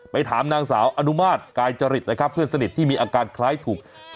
ถามนางสาวอนุมาตรกายจริตนะครับเพื่อนสนิทที่มีอาการคล้ายถูก